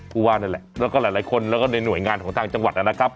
ผู้ว่านั่นแหละแล้วก็หลายคนแล้วก็ในหน่วยงานของทางจังหวัดนะครับ